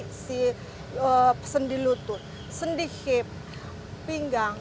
kita pesendi lutut sendi hip pinggang